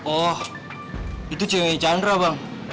oh itu cewek chandra bang